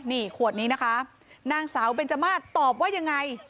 นี่ขวดนี้นะคะนางสาวเบนจมาสตอบว่ายังไง